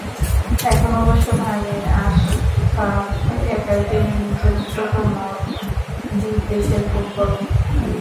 এখন অবশ্য ভাই নেই, আশফাফ একাই টেনে নিচ্ছেন ছোটমট দ্বীপদেশের ফুটবল।